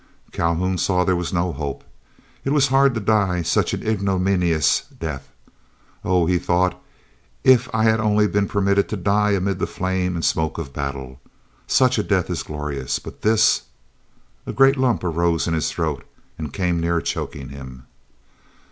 Calhoun saw there was no hope. It was hard to die such an ignominious death. "Oh!" he thought, "if I had only been permitted to die amid the flame and smoke of battle. Such a death is glorious; but this——" A great lump arose in his throat, and came near choking him.